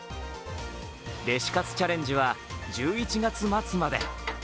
レシ活チャレンジは１１月末まで。